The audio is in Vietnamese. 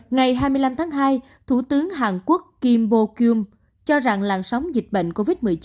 ngày hai mươi năm tháng hai thủ tướng hàn quốc kim bo kyum cho rằng làn sóng dịch bệnh covid một mươi chín